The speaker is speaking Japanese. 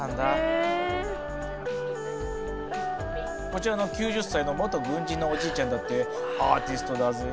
こちらの９０歳の元軍人のおじいちゃんだってアーティストだぜ。